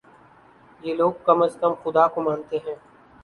یہ لوگ کم از کم خدا کو مانتے ہیں۔